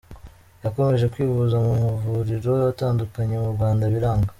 Yakomeje kwivuza mu mavuriro atandukanye mu Rwanda biranga.